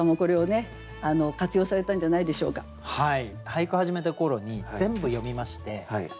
俳句始めた頃に全部読みまして。